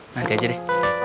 nanti aja deh